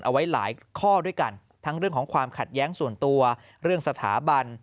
เอาไว้หลายข้อด้วยกันทั้งเรื่องของความขัดแย้งส่วนตัวเรื่องสถาบัน